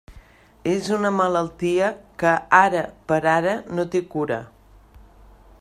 És una malaltia que ara per ara no té cura.